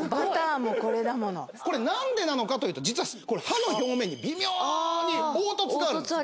これ何でなのかというと実は刃の表面に微妙に凹凸があるんです。